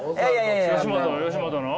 吉本の？